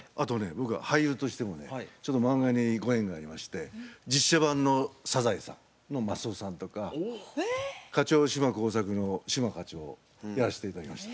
僕は俳優としてもねちょっと漫画にご縁がありまして実写版の「サザエさん」のマスオさんとか「課長島耕作」の島課長やらせて頂きました。